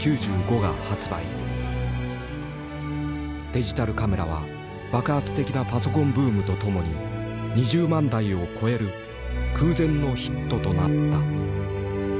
デジタルカメラは爆発的なパソコンブームとともに２０万台を超える空前のヒットとなった。